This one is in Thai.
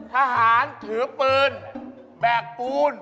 สหาทือปืนแบกภูมิ